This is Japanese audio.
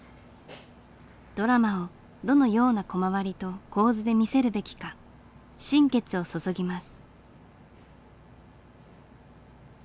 ドラマをどのようなコマ割りと構図で見せるべきか心血を注ぎます。